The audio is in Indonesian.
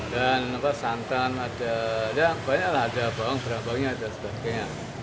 dan santan ada banyak ada bawang bawangnya dan sebagainya